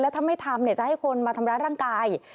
ถ้าไม่ทำจะให้คนมาทำร้ายร่างกาย